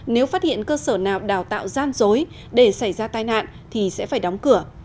nếu phát hiện cơ sở nào đào tạo gian dối để xảy ra tai nạn thì sẽ phải đóng cửa